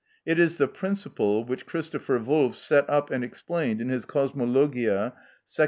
It is the principle which Chr. Wolf set up and explained in his "Cosmologia," sect.